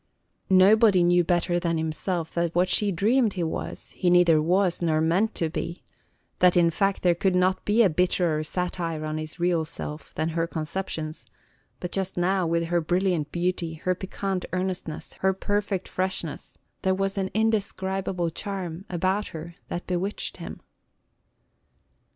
Nobody knew better than himself that what she dreamed he was he neither was nor meant to be, – that in fact there could not be a bitterer satire on his real self than her conceptions; but just now, with her brilliant beauty, her piquant earnestness, her perfect freshness, there was an indescribable charm about her that bewitched him.